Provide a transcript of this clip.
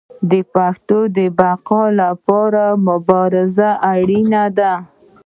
د پښتو د بقا لپاره مبارزه اړینه ده.